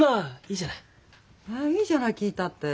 いいじゃない聞いたって。